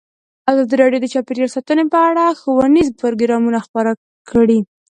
ازادي راډیو د چاپیریال ساتنه په اړه ښوونیز پروګرامونه خپاره کړي.